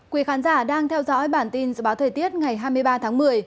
quý khán giả đang theo dõi bản tin dự báo thời tiết ngày hai mươi ba tháng một mươi